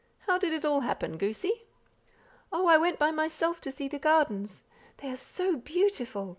How did it all happen, goosey?" "Oh, I went by myself to see the gardens; they are so beautiful!